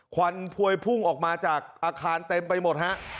ควันพวยพุ่งออกมาจากอาคารเต็มไปหมดฮะ